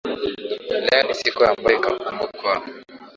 leo ni siku ambayo itakumbukwa